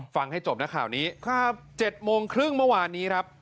ให้จบนะข่าวนี้๗โมงครึ่งเมื่อวานนี้ครับ